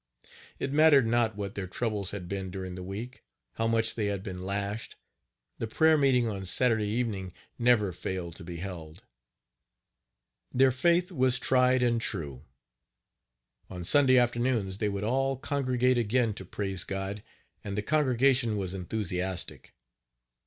It mattered not what their troubles had been during the week how much they had been lashed, the prayer meeting on Saturday evening never failed to be held. Their faith was tried and true. On Sunday afternoons, they would all congregate again to praise God, and the congregation was enthusiastic.